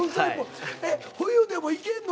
冬でもいけんの？